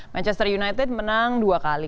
manchester united menang dua kali